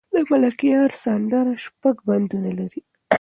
د ملکیار سندره شپږ بندونه لري.